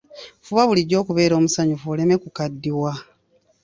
Fuba bulijjo okubeera omusanyufu oleme okukaddiwa.